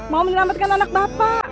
mau meneramatkan anak bapak